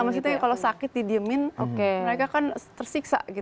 maksudnya kalau sakit didiemin mereka kan tersiksa